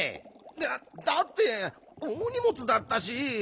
だだっておおにもつだったし。